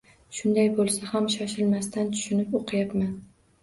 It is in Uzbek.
Shunday bo‘lsa ham shoshilmasdan, tushunib o‘qiyapman.